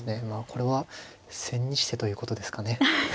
これは千日手ということですかね。